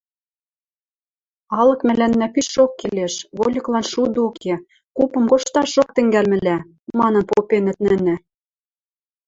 «Алык мӓлӓннӓ пишок келеш, вольыклан шуды уке, купым кошташок тӹнгӓлмӹлӓ», — манын попенӹт нӹнӹ.